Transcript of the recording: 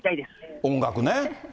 音楽ね。